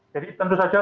jadi tentu saja